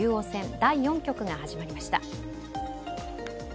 第４局が始まりました。